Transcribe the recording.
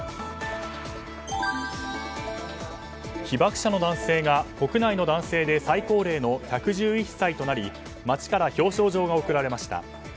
被爆者の男性が国内の男性で最高齢の１１１歳となり町から表彰状が贈られました。